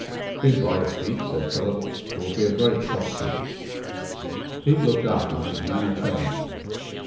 "Be brave, Pete," said Philip. "It will be a great shock to you." Pete looked up and his manner changed.